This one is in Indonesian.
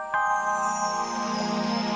tidak tuan teddy